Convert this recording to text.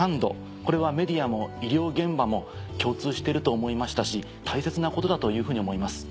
これはメディアも医療現場も共通していると思いましたし大切なことだというふうに思います。